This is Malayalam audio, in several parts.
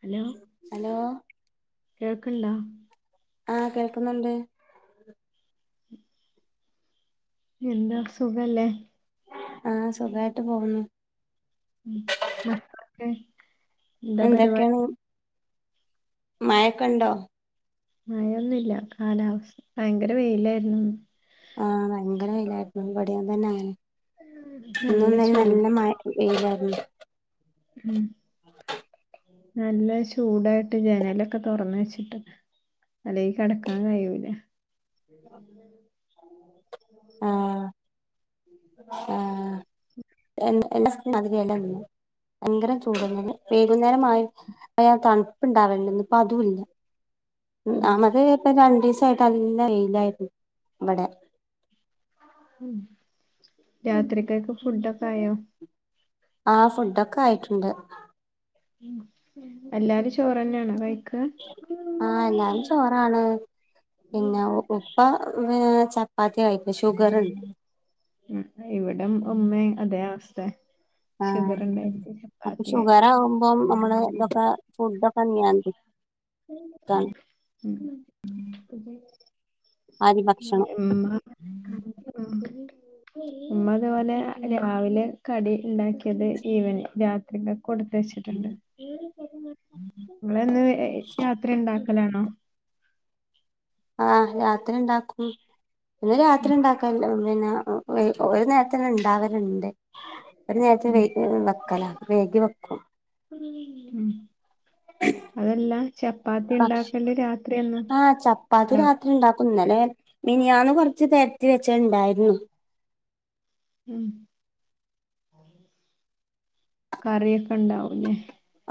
ഹലോ ഹലോ കേൾക്ക്ണ്ടാ ആഹ് കേൾക്കുന്നുണ്ട് എന്താ സുഖല്ലേ ആ സുഖായിട്ട് പോകുന്നു [inaudible] എന്താ പരിപാടി മയേക്കുണ്ടോ മഴൊന്നുല്യ കാലാവസ്ഥ ഭയങ്കര വെയിലാരുന്നുന്ന്. ആ ഭയങ്കര വെയിലായിരുന്നു ഇവിടേം തന്നെ അങ്ങനെ നല്ല ഇന്നുന്നലെ ചൂട് നല്ല മ വെയിലാരുന്നു ഉം നല്ല ചൂടായിട്ട് ജനലൊക്കെ തുറന്ന് വെച്ചിട്ട് അല്ലങ്കി കെടക്കാൻ കഴിയൂല [inaudible] [inaudible] ആ എന്താ എല്ലാസം മാതിരി അല്ല ഇന്ന് ഭയങ്കരം ചൂടുന്നത് വൈകുന്നേരമായി ആയ തണുപ്പ ഇണ്ടാവലുണ്ട് ഇന്നിപ്പൊ അതുല്ല. ഉം നമത് ഇപ്പ രണ്ടീ ട്ട് നല്ല വെയിലായിരുന്നു ഇബടെ ഉം രാത്രിക്കക്കെ ഫുഡൊക്കെ ആയോ ആ ഫുഡൊക്കെ ആയിട്ടിണ്ട് എല്ലാരും ചോറന്നെയാണോ കയി ആ എല്ലാരും ചോറാണ് പിന്നെ ഉ ഉപ്പ ഏ ചപ്പാത്തിയാ കയിക്ക ഷുഗറ്ണ്ട് [unintelligible] ഇവിടം ഒമ്മയും അതെ അവസ തെ ആ അപ്പൊ ഷുഗറ് കഴിക്കും ആകുമ്പോ നമ്മള് ഫുഡക്ക നിയന്ത്രി [inaudible] അരി ഭക്ഷണം ഉമ്മ ഇതുപോലെ രാവിലെ കടി ഉണ്ടാക്കിയത് ഈവനി രാത്രി കൊടുത്ത വെച്ചിട്ടിണ്ട് നിങ്ങളി രാത്രി ഇണ്ടാക്ക് ക്കലാണോ ആ രാത്രി ഇണ്ടാക്കും [unintelligible] പിന്നെ രാത്രി ഉം ഇണ്ടാക്കൽല്ല പിന്നെ ഒ ഒര് ഓര് നേര്ത്തിനണ്ടാവ- രണ്ടെ ഒരു നേരത്തെ വെയി വെക്കല വൈകി വെക്കും ഉം ഉം അതല്ല ചപ്പാത്തി പക്ഷ ഉണ്ടാക്കല് രാത്രിയന്നും ആഹ് ചപ്പാത്തി ഉണ്ടാ രാത്രി ഉണ്ടാക്കും ഇന്നലെ മിനിയാന്ന് കൊറ്ച്ച് പെരത്തി വെെച്ച ഇണ്ടായിരുന്നു ഉം കറിയൊക്കെ ഇണ്ടാവുലെ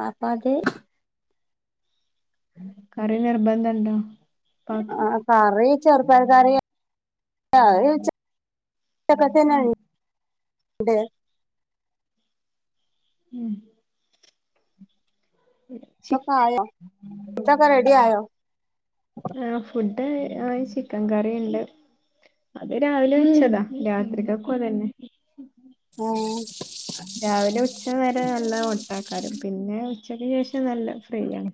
അപ്പത് കറി നിർബന്ധണ്ടോ ആഹ് കറി ചെറുപയർ കറിയാ [inaudible] അഹ് വെച ഉം [inaudible] [inaudible] ഉം ചി പ്പക്കായോ തൊക്കെ റെഡി ആയോ ആ ഫുഡ് ആ ചിക്കൻ കറി ഇണ്ട് അത് രാവിലെ വെച്ചതാ രാത്രിക്കക്കും അതന്നെ ആഹ് രാവിലെ ഉച്ചനേരം നല്ല മട്ടാക്കാരം പിന്നെ ഉച്ചക്ക് ശേഷം നല്ല ഫ്രീയാണ്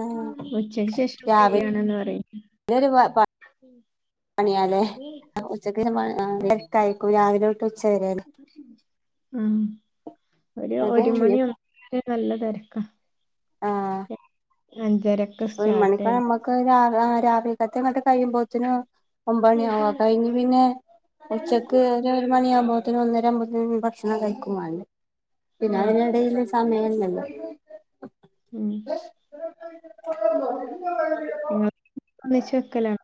ആഹ് ഉച്ചക്ക് ശേഷം രാവിലെ ഫ്രീയാണ് ന്ന്പറിം [unintelligible] [inaudible] പണിയാലേ [unintelligible] ഉച്ചക്ക് [unintelligible] തെരക്കായിക്കും [unintelligible] രാവിലൊട് ഉം ഒരു അത് ഒരു [unintelligible] മണി കഴിഞ്ഞിപ്പോ ഒന്ന [unintelligible] നല്ല തെരക്ക ആഹ് [inaudible] ഒരു സ്റ്റാർട്ട് ചെയ്ത് മണിക്കനമ്മക്ക് ഒരു [unintelligible] ആറ [unintelligible] ര വിക്കത്തെങ്ങെ [unintelligible] കഴിയുമ്പോത്തിനും ഒമ്പണി ആവും അഹ് കഴിഞ് പിന്നെ ഉച്ചക്ക് ഒരു [unintelligible] മണിയാകുമ്പോ അപ്പോത്തിന് ഒന്നര ആവുമ്പോത്തിന് ഭക്ഷണം കയിക്കും വാണ്ടെ പിന്നെ ഉം അതിനിടയില് സമയം [inaudible] ഉം [inaudible] നിങ്ങ [inaudible] ഒന്നിച്ചു വെക്കലാണ്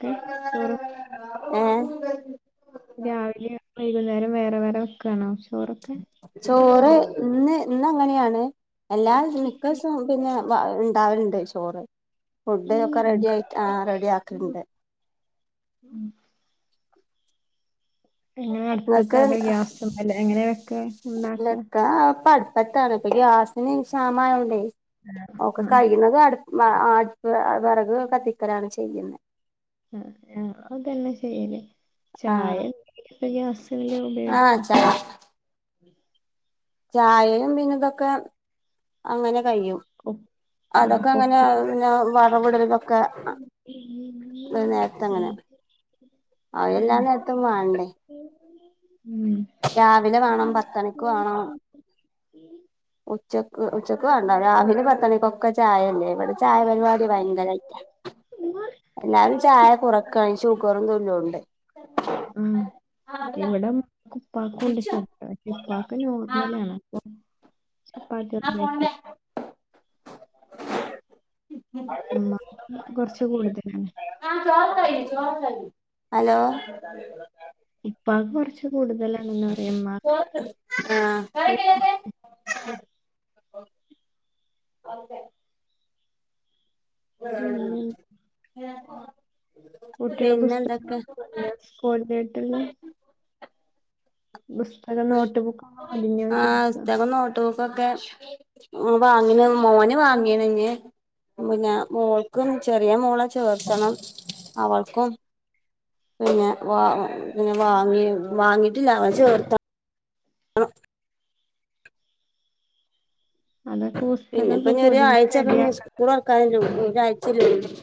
[unintelligible] ഉം രാവില്യ വൈകുന്നേരം വേറെ വേറെ വെക്കാണോ ചോറൊക്കെ ചോറ് ഇന്ന് ഇന്ന് അങ്ങനെയാണ് എല്ലാ ഈസം മിക്കസും പിന്നെ പ ഇണ്ടാവല്ണ്ട് ചോറ് ഫുഡ്ഡ് ഒക്കെ ഉം. റെഡി ആയി ആ റെഡി ആക്ക്ണ്ട് ഉം. എങ്ങനെ അടുപ്പത്ത നിങ്ങൾക്ക് അതെ ഗ്യാസ് മ്മല് എങ്ങനെവെക്ക ഉണ്ടാക്ക പത്താണ്പ്പ ഗ്യാസിന് ക്ഷ്യാമായോണ്ടേ ഓക്കെ ആ കയ്യ്ണതും അടു വ ആടുപ്പ് വെറക് കത്തിക്കലാണ് ചെയ്യ്ന്നെ ആ ഞങ്ങളും അതെന്നെ ചെയ്യല് ചായ ആഹ് എ [inaudible] ഗ്യാസില് ആഹ് ഉപയോഗിക്കും ച ചായയും പിന്നെ ഇതൊക്കെ അങ്ങനെ കയ്യും ആഹ് അതൊക്കെ അങ്ങനെ കുക്കറില് പിന്ന വറവിടലുതൊക്കെ [unintelligible] നേരത്തെ അങ്ങനെ അവ എല്ലാം നേരത്തും വാണ്ടേ ഉം രാവിലെ വാണം പത്തണിക്ക് വാണം ഉച്ചക്ക് ഉച്ചക്ക് വേണ്ട രാവിലെ പത്ത ണിക്കൊക്കെ ചായല്ലേ ഇവിടെ ചായ പരിപാടി വയങ്കരായിട്ടാ ഉം എല്ലാരും ചായ കുറക്കാണ് ഷുഗറും തുല്യോണ്ട് ഉം ഇവിടെ ഉപ്പാക്കുണ്ട് ഷുഗറ് ഇപ്പാക്ക് നോർമലാണ് പ്പൊ ചപ്പാത്തി ഒന്നും കഴിക്കൂ ഉമ്മാക്ക് കൊറച്ച് കൂടുതലാണ് ഹലോ ഉപ്പാക്ക് കൊറച്ച് കൂടുതലാണെന്ന് പറയും ആ ഉമ്മാക്ക് ഓ [unintelligible] അതെ ഉ [unintelligible] കുട്ടികള പുസ്തക വാങ്ങിതുടങ്ങിയോ സ്കൂളിലേക്കൊളെ പുസ്തകം നോട്ട് ബുക്കോ മലന്യ ചക്ക [unintelligible] ൊക്കെ വാങ്ങി മോന് വാങ്ങിയണ ഇഞ്ഞ് പിന്നെ മോൾക്കും ചെറിയ മോളെ ചേർത്തണം അവൾക്കും- പിന്നെ വാ പിന്നെ വാങ്ങി വാങ്ങിട്ടില്ല അവനെ ചേർത്ത- ആ [inaudible] അതൊക്കെ പിന്നെപ്പ പുസ്തകൊക്കെ പൊതിഞ്ഞ് ഒരാരാഴ് റെഡിയാക്കണം സ്കൂൾ തുറക്കാന് ഒരാഴ്ചല്ല അല്ലാ ഉള്ളു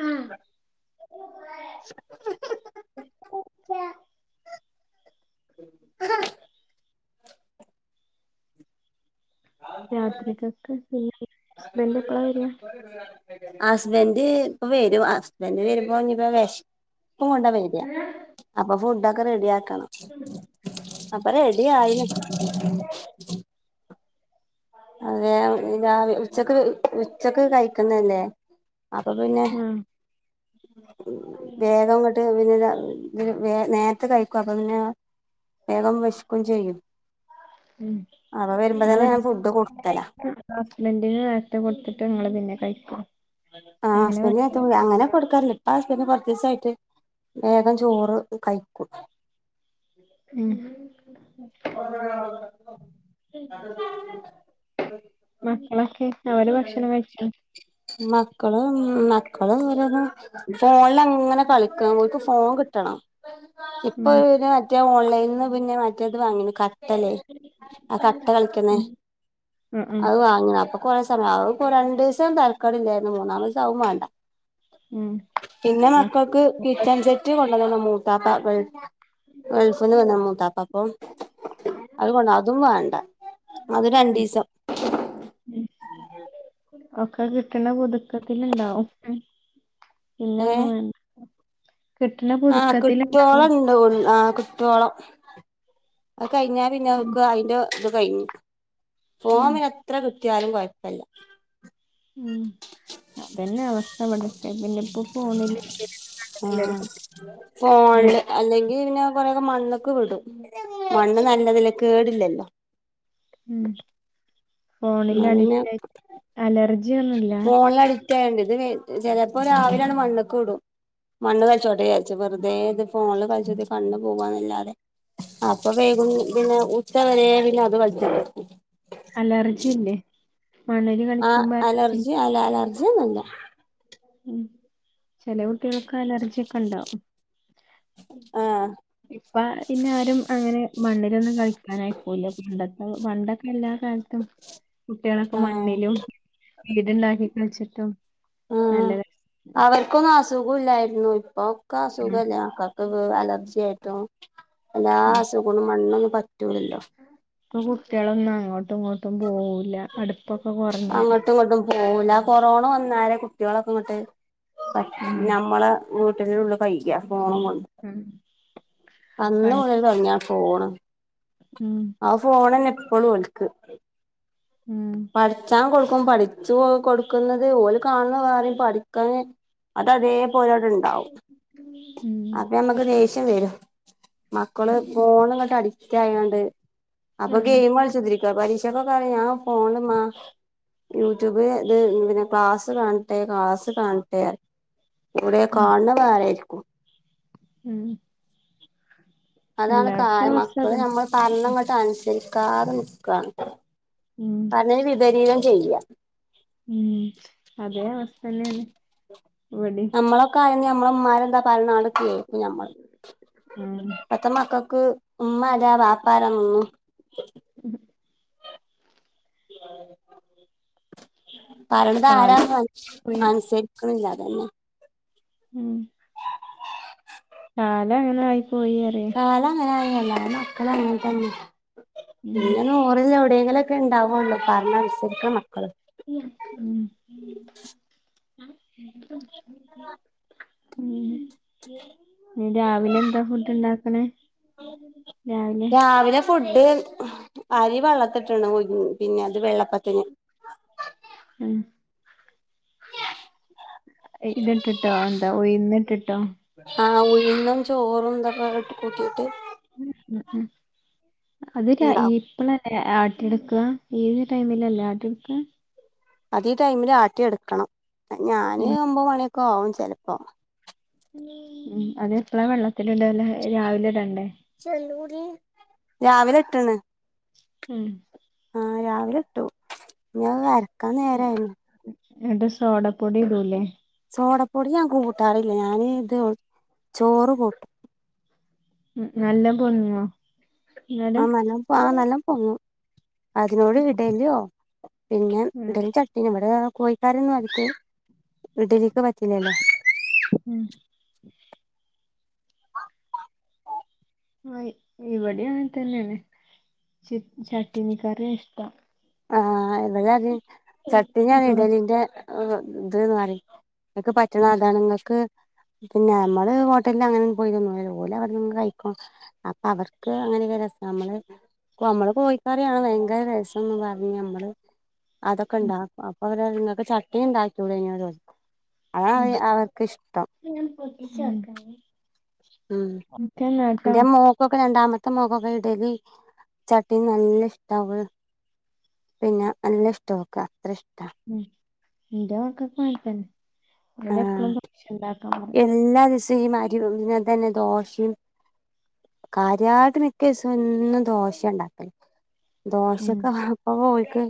അ [unintelligible] രാത്കൊക്ക്െ പിന്ന ഹസ്ബന്റ് എപ്പളാ വരിയാ [inaudible] ഹസ്ബന്ഡ് ഇപ്പ വരും ഹസ്ബന്ഡ് വരുമ്പോപ്പോ വിഷ- [unintelligible] പൂ [inaudible] ണ്ട വൈര്യാ അപ്പൊ ഫുഡ ഒക്കെ റെഡി ആക്കണം അപ്പൊ റെഡി ആയി- അതെ ഉച്ചക്ക് ഉച്ചക്ക് കഴിക്കുന്നല്ലേ അപ്പോപ്പിന്നെ- ആഹ് ഉം [inaudible] [unintelligible] ഉ വേഗംങ്ങട്ട് പിന്നെ- ഇ വേ നേരത്തെ കഴിക്കും അപ്പൊ പിന്നെ വേഗം വേശക്കുകയും ചെയ്യും ഉ അപ്പ വരുമ്പോ അവ തന്നെ ഞാൻ ഫുഡ് കൊടുത്തലാ [unintelligible] ഹസ്ബൻഡിന് നേരത്തെ കൊടുത്തിട്ട് നിങ്ങള് പിന്നെ കഴ ആ [inaudible] ആഹ്്പ അങ്ങനെ കൊടുക്കാറില്ല ഇപ്പസ്പി [unintelligible] എസായിട്ട്- വേഗം ചോറ്- കൈക്കകും ഉം [unintelligible] മക്കളൊക്കെ അവര് ഭക്ഷണം കഴിച്ചു മക്കള് മക്കള് ര- ഫോണിൽ അങ്ങനെ കളിക്കക്ക് ഫോൺ കിട്ടണം ഇപ്പൊ ഉം മറ്റേ ഓൺലൈനിന്ന് പിന്നെ- വാങ്ങ [unintelligible] കട്ടല്ലേ ആ കട്ട കളിക്കുന്ന ഉം ആഹ് ആഹ് അത് വാങ്ങ അപ്പൊ കൊറ സമയ രണ്ട്- [unintelligible] ചന്താ [unintelligible] മക്കാടില്ലായിരുന്നു മൂന്നാുദിവസവും വേണ്ട ഉം പിന്നെ മക്കൾക്ക് കിച്ചൺ സെറ്റ് കൊണ്ടതെന്നു മൂ- [unintelligible] താത്ത ഗൾഫ് ഗൾഫ്ന്നു വന്ന മൂത്ത അപ്പം അതുകൊണ്ട അതും വേണ്ട അത് ഉം. രണ്ടീസം ഉം. ഒക്കെ കിട്ടണ പുതുക്കത്തില്ണ്ടാവും ഏ ഇല്ലൊന്നു വേണ്ട കിട്ടണ ആ കിട്ടോള പുതുക്കത്തില്ണ്ടാവും ണ്ടാവുള്ളു ആ കി ട്ടോളം കഴിഞ്ഞാപിന്നെ ഉം അവക്ക് അയിന്റെ ഇത് കഴിഞ്ഞു ഉം ഫോണ് എത്ര കി റ്റിയാലും കൊയപ്പില്ല ഉം അതന്നെ അവസ് ആ എല്ലാരും കുട്ടി ഇങ്ങനെ. ഫോണില് അല്ലെങ്കിൽ പിന്നെ കൊറെ ക്കെ മണ്ണ്ക്ക് വിടും മണ്ണ് നല്ലതല്ലെ കേടില്ലല്ലോ ഉം ഫോണില് അഡിക്റ്റ് ആയിട്ട് അലർ ഫോണിലടി ഡിറ്റായോണ്ട് ഇതിന് ചെലപ്പോ രാവിലെയണ്ട് മണ്ണ്ക്ക് വിടും മണ്ണ് കളിച്ചോട്ടെ വിചാച്ച് വെറുതെ ഇത് ഫോണില് കളിച്ചിട്ട് കണ്ണ് പോവന്നല്ലാതെ അപ്പൊ വേഗം പിന്നെ ഉച്ചവരെ പിന്നെ അത് കളിക്കും അലർജി ഇല്ലേ മണ്ണില് ആ കളിക്കുമ്പോ അലർജി അല്ല അലർ ജിന്നുല്ല ഉം ചെല കുട്ടികൾക്ക് അലർജി ക്കണ്ടാവും ആഹ് ഇപ്പ പിന്നെആരും അങ്ങനെ മണ്ണിലൊന്നും കളിക്കാനയ ക്കൂല പണ്ടത്തെ പണ്ടൊക്കെല്ലാ ടത്തും കുട്ടികളൊക്കെ ആഹ് മണ്ണിലും വീട്ണ്ടാക്കി കളിച്ചിട്ടും ഉം നല്ല രസാ അവർക്കൊന്നും അസു സുഖുല്ലായിരുന്നു ഇപ്പോ ക്ക ഉം അസുഖല്ലേ ആൾക്കാർ അവക്കു അലർജിയാട്ടോ എല്ലാ അസുഖവുമുണ്ട് മണ്ണിനു തു കുട്ടികൾ എന്നാ അങ്ങോ അങ്ങോട്ടും ഇങ്ങോട്ടും പോവൂല അടുപ്പൊക്കെ കുറഞ്ഞ് അങ്ങോട്ടും ഇങ്ങോട്ടും പോവൂല കൊറോണ വന്നാലേ കുട്ടികളൊക്കെ ഇങ്ങോട്ട് പക്ഷേ ഉം നമ്മള് വീട്ടിലുള്ള കഴിക്ക ഫോണും കൊണ്ട് ഉം അന്ന് പണ്ട് മുതൽ തുടങ്ങിയ ഫോണ് ഉം ആഹ് ഫോണ് തന്നെ ഫോൺ വൾക് ഉം പഠിച്ചാൻ കൊടു ഇപ്പം പഠിച്ചു കൊടുക്കുന്നത് ഓന് കാണുന്ന കാര്യം പഠിക്കാന് അത അതേപോലവിടെ ഉണ്ടാവും ഉം അപ്പൊ നമ്മുക്ക് ദേഷ്യം വരും മക്കള് ഫോൺ ഇങ്ങോട്ട് അഡിക്റ്റ് ആയൊണ്ട് അപ്പൊ ഉം ഗെയിം കളിചൊത്തിരി ഇപ്പ പരീക്ഷ ഒക്കെ കഴിഞ്ഞോ ഫോണുമ്മ യൂട്യൂബ് ഇത് പിന്നെ ക്ലാസ്സ് കാണട്ടെ ക്ലാസ് കാണട്ടെ ഇവിടെ ഉം കണുന്ന വരെ ഉം അതാണ് എല്ലായിടത്തും കാരണം അവസ്ഥ അപ്പൊ അതന്നെ ഞമ്മള് പറെണങ്ങോട്ട് അനുസരിയ്ക്കും കാറൂം ഇക്ക ഉം അതെ വിവരികൾ ചെയ്യാം ഉം അതേ അവസ്ഥ തന്നെ അല്ലേ നമ്മളൊക്കെ ആയ ഞമ്മളുമ്മാര് എന്താ പറയുന്നെ അത് കേൾക്കു ഞമ്മള് ഉം പത്ത് മക്കൾക്കും ക്ക് ഉമ്മ ആരാ ബാപ്പ ആരാന്നൊന്നും ഉം [unintelligible] പറയണത് കാലം ആരാന്നു അനു പോയി അനുസരിക്കണില്ല ഒന്ന് ഉം കാലം അങ്ങനെ ആയി പോയി അറിയ കാലം അങ്ങനെ ആയി എല്ലാം മക്കളും അങ്ങനെതെന്നെ ഉം പിന്നെ നൂറിൽ എവി എവിടേലുംയൊക്കെ ഉണ്ടാവുള്ളൂ പറഞാ അനുസരിക്കുന്ന മക്കള ഉം [unintelligible] ഉം രാവിലെ എന്താ ഫുഡ്ണ്ട പിന്നെ രാവിലെ ഫുഡ് അരി വെള്ളത്തിട്ട്ണ് [unintelligible] പിന്നെ അത് വെള്ളപ്പത്തിന് ഉം ഇതിട്ടിട്ടോ എന്താ ഉഴുന്നിട്ടിട്ടോ ആ ഉഴുന്നും ചോറുംഇതൊക്കെ ഇട്ട് കൂട്ടിയിട്ട് ഉം ഉം അത് രാ ഇണ്ടാവും ഇപ്പളെ ആട്ടിയെടുക്കാ ഈ ഒരു ടൈമിലല്ലേ ആട്ടിയെടുക്കാ അതെ ടൈമില് ആട്ടി എടുക്കണം ഞാന് ഉം ഒമ്പത് മണി കോം ചെലപ്പോ ഉം അതെപ്പഴ വെള്ള [unintelligible] രാവിലെ ഇടണ്ടേ രാവിലെ ഇട്ടാണ് ഉം ആ രാവിലെ ഇട്ടു പിന്ന അര ക്കാ നേരായിരുന്നു രണ്ട് സോടാപ്പൊടി ഇടൂലെ സോടാപ്പൊടി ഞാൻ കൂട്ടാറില്ല ഞാന് ഇത് ചോറ് കൂട്ടും ഉം നല്ല പൊങ്ങോ ആ എന്നാലും നല്ല ആ നല്ല പൊങ്ങും അതിനോട് ഇടലിയോ പിന്ന ഉം ഇടല് ചട്ടീ ഇവിടെ കോഴിക്കാരൊന്നും അടുത്ത് ഇഡലിക്ക് പറ്റില്ലല്ലോ ഉം ആ ഇവിടേം അങ്ങനെതന്നെയാണ് ച ചട്ടിനിക്കറിയ ഇഷ്ടം ആ ഇവിടേം അതെ ചട്ടി ഞാൻ ദോശ ഇടലിന്റെ ഓ ന്ത്രര്‌ കറി [unintelligible] പറ്റണത് അതാണ് നിങ്ങക്ക് പിന്നെ മ്മള് ഹോട്ടലിൽ അങ്ങനെ പോയി തോന്നുപോലെ അവടെ കഴിക്കോ അപ്പൊ അവർക്ക് അങ്ങനെയൊ രസം നമ്മള് നമ്മള് പോയിക്കാറാണ് ഭയങ്കര രസംന്ന് പറ ഞമ്മള് അതൊക്കെ ഒണ്ടാ അപ്പ അപ്പ ഇങ്ങക്ക് ചട്ട്നിണ്ടാക്കികൂടേന്യോ ചോയ് ഉം ഉം ഓക്കെന്നാ ട്ടോ ന്റെ മോക്കൊക്കെ രണ്ടാമ ത്തെ മോക്കൊക്കെ ഇഡ്ലി ചട്ട്നി നല്ല ഇഷ്ടാ പിന്നെ നല്ല ഇഷ്ടാ ഓക്ക് ത്രെ ഇഷ്ട ഇന്റെ മക്കക്കു അങ്ങനെതന്നെ ആഹ് ഒലെപ്പളും ദോശണ്ടാകാൻ പറിം ങ്ങൻതന്നെ ദോഷിം കാര്യായിട്ട് മിക്കദീസെന്നും ദോഷെണ്ടാക്കൽ ഉം ദോശക് അ ഇപ്പോൽക്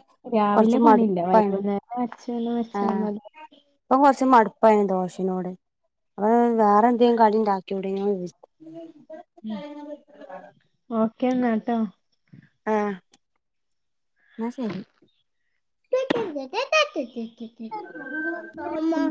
കൊർച്ച് രാവിലെ പണിയില്ല മട്പായീണ് വൈകുന്നേരം അരച്ച് ആ വച്ചാൽ മതി ഇപം കൊർ ച്ച് മട്പ്പായ്ണ് ദോശനോട് വേറെന്തേം കടിണ്ടാക്യൂടേന്യോ ചോയ്ക്കും മ്മ് ഓ ക്യെണട്ടോ ആ ശരി